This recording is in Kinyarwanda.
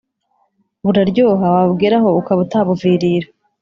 buraryoha wabugeraho ukaba utabuvirira